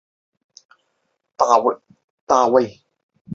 美国原住民生活在奥农达伽湖周边地区已有四五千年的历史。